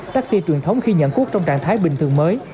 taxi truyền thống khi nhận thuốc trong trạng thái bình thường mới